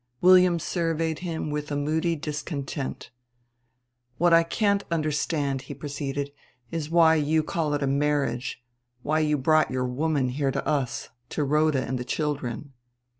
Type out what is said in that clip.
William surveyed him with a moody discontent. "What I can't understand," he proceeded; "is why you call it a marriage, why you brought your woman here to us, to Rhoda and the children."